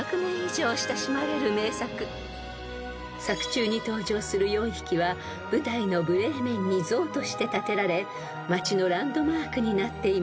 ［作中に登場する４匹は舞台のブレーメンに像として建てられ街のランドマークになっています］